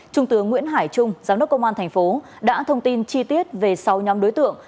trung tướng nguyễn hải trung giám đốc công an thành phố đã thông tin chi tiết về sáu nhóm đối tượng